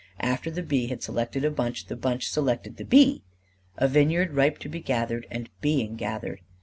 After the bee had selected the bunch, the bunch selected the bee. A vineyard ripe to be gathered and being gathered!